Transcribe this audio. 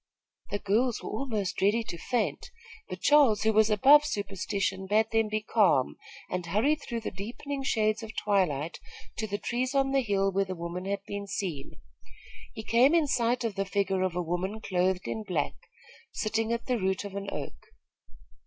The girls were almost ready to faint; but Charles, who was above superstition, bade them be calm and hurried through the deepening shades of twilight to the trees on the hill where the woman had been seen. He came in sight of the figure of a woman clothed in black, sitting at the root of an oak.